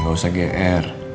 gak usah gr